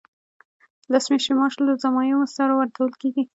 لس میاشتې معاش له ضمایمو سره ورکول کیږي.